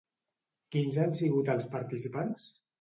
Quins han sigut els participants?